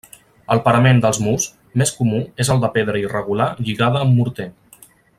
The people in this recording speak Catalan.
El parament dels murs més comú és el de pedra irregular lligada amb morter.